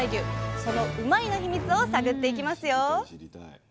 そのうまいッ！のヒミツを探っていきますよ！